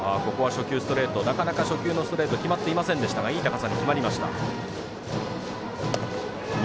なかなか初球のストレート決まっていませんでしたがいい高さに決まりました。